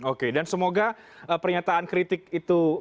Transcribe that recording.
oke dan semoga pernyataan kritik itu